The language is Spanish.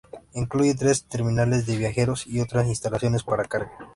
Incluye tres terminales de viajeros y otras instalaciones para carga.